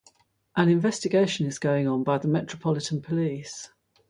An investigation is ongoing by the Metropolitan Police.